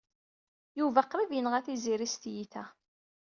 Yuba qrib yenɣa Tiziri s tyita.